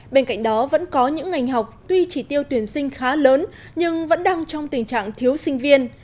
bên cạnh đó vẫn có những ngành học tuy chỉ tiêu tuyển sinh khá lớn nhưng vẫn đang trong tình trạng thiếu sinh viên